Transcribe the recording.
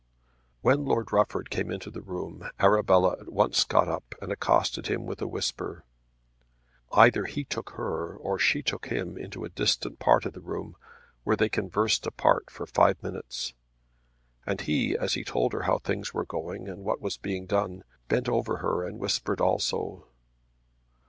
When Lord Rufford came into the room Arabella at once got up and accosted him with a whisper. Either he took her or she took him into a distant part of the room where they conversed apart for five minutes. And he, as he told her how things were going and what was being done, bent over her and whispered also.